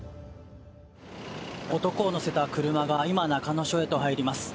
男を乗せた車が今、中野署へと入ります。